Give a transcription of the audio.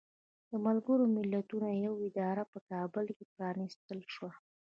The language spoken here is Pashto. د ملګرو ملتونو یوه اداره په کابل کې پرانستل شوه.